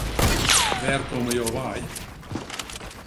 Wêr komme jo wei?